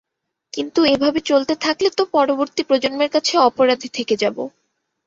কিন্তু এভাবে চলতে থাকলে তো পরবর্তী প্রজন্মের কাছে অপরাধী থেকে যাব।